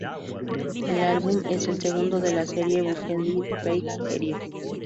El álbum es el segundo de la serie "Buckethead Pikes Series".